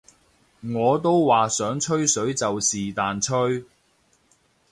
我都話想吹水就是但吹